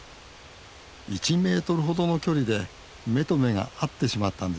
１メートルほどの距離で目と目が合ってしまったんです。